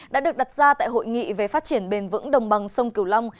đã được đặt ra tại hội nghị về phát triển bền vững đồng bằng sông cửu long